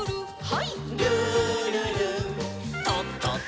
はい。